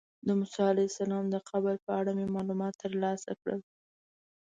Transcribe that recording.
د موسی علیه السلام د قبر په اړه مې معلومات ترلاسه کړل.